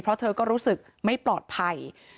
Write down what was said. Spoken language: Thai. เพราะเธอก็รู้สึกไม่ปลอดภัย